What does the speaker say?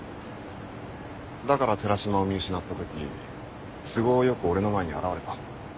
だから寺島を見失った時都合よく俺の前に現れた。